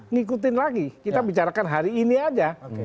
ngikutin lagi kita bicarakan hari ini aja